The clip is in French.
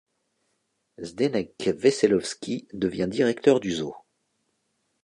Zdeněk Veselovský devient directeur du zoo.